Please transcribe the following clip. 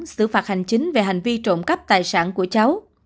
xử phạt hành chính về hành vi trộm cắp tài sản của cháu